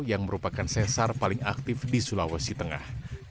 yang merupakan sesar paling aktif di sulawesi tengah